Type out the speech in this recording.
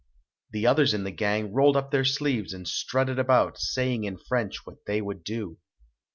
The others in the gang rolled up their sleeves and strutted about, saying in French what they would do.